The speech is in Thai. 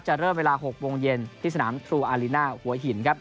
เริ่มเวลา๖โมงเย็นที่สนามทรูอาลิน่าหัวหินครับ